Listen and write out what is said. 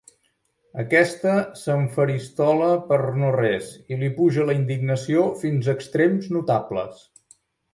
Aquesta s'enfaristola per no res i li puja la indignació fins a extrems notables.